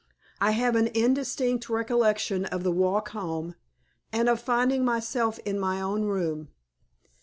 I have an indistinct recollection of the walk home, and of finding myself in my own room.